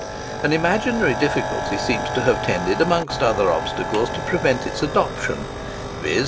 An imaginary difficulty seems to have tended, amongst other obstacles, to prevent its adoption; viz.